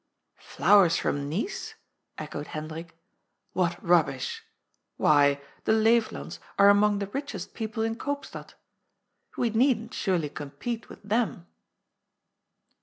•*' Flowers from Nice !" echoed Hendrik. " What rub bish I Why, the Leeflands are among the richest people in Koopstad. We needn't surely compete with them."